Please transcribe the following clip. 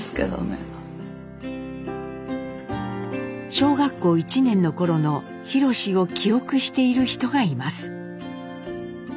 小学校１年の頃のひろしを記憶している人がいます。